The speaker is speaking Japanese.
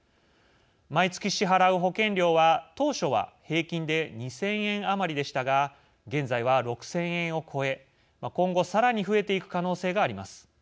毎月支払う保険料は当初は平均で２，０００円余りでしたが現在は６，０００円を超え今後さらに増えていく可能性があります。